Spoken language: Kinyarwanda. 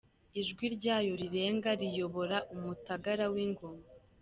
Ijwi ryayo rirenga riyobora umutagara w’ingoma :.